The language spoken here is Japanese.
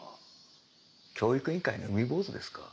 教育委員会の海坊主ですか？